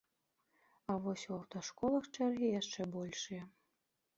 А вось у аўташколах чэргі яшчэ большыя.